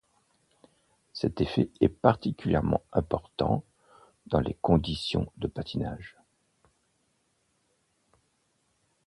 Cet effet est particulièrement important dans les conditions de patinage.